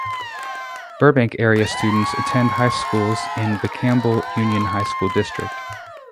Burbank-area students attend high schools in the Campbell Union High School District.